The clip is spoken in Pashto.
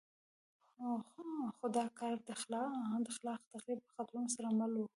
خو دا کار د خلاق تخریب له خطرونو سره مل وو.